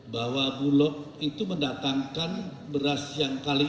bahwa bulog itu mendatangkan beras yang kali ini